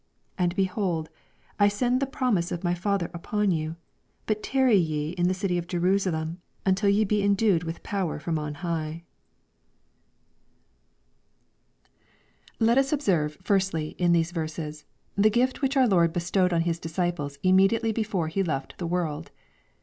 49 And, behold, I send the promise of my Father upon you : but tarry ye '*n the city of Jerusalem, until ye oe endued with power from on hicrb 516 EXPOSITORY THOUGHTS. Let us observe, firstly, in these verses, the gift which our Lord bestowed on His disciples immediately before He l^t the world.